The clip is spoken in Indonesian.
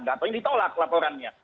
gak tau ini ditolak laporannya